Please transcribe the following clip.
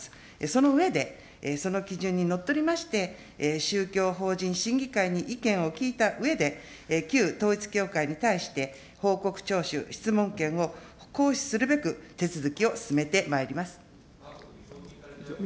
その上で、その基準にのっとりまして、宗教法人審議会に意見を聞いたうえで、旧統一教会に対して報告徴収、質問権を行使するべく、手続きを進めてまいります。